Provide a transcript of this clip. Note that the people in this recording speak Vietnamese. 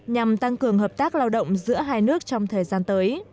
nhằm tăng cường hợp tác lao động giữa hai nước trong thời gian tới